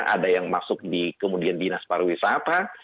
ada yang masuk kemudian di dinas pariwisata